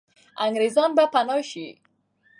انګریزان به پنا سي.